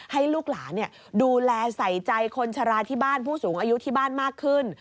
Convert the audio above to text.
ให้ลูกหลานดูแลใส่ใจคนชะลาที่บ้านผู้สูงอายุที่บ้านมากขึ้น